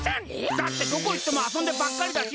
だってどこいってもあそんでばっかりだし